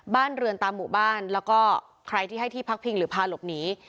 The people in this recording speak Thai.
บ้านเรือนตามหมู่บ้านแล้วก็ใครที่ให้ที่พักพิงหรือพาหลบหนี